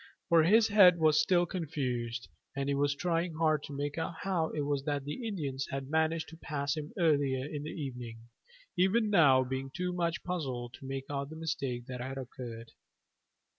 For his head was still confused, and he was trying hard to make out how it was that the Indians had managed to pass him earlier in the evening, even now being too much puzzled to make out the mistake that had occurred.